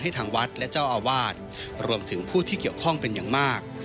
ทางวัดและเจ้าอาวาสรวมถึงผู้ที่เกี่ยวข้องเป็นอย่างมาก